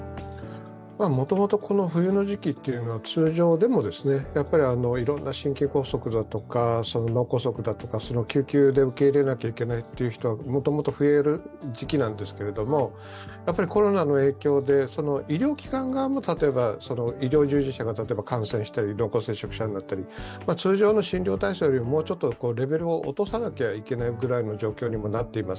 もともと冬の時期は通常でも、いろんな心筋梗塞だとか脳梗塞だとか救急で受け入れなきゃいけないという人がもともと増える時期なんですけどもコロナの影響で、医療機関側も例えば医療従事者が感染したり、濃厚接触者になったり、通常の診療体制よりももうちょっとレベルを落とさなければいけないような状況になってます。